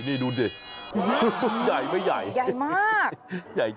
นี่ดูสิเป็นไหว้ไหว้ไหมใหญ่มาก